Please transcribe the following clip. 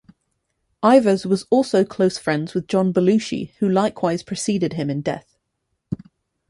Ivers was also close friends with John Belushi who likewise preceded him in death.